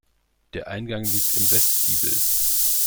Der Eingang liegt im Westgiebel.